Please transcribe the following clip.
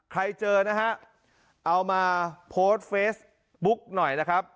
ใครเจอนะฮะเอามาโพสต์เฟซบุ๊กหน่อยนะครับ